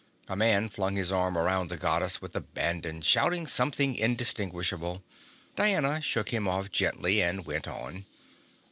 A man flung his arm around the Goddess with abandon, shouting something indistinguishable; Diana shook him off gently and went on.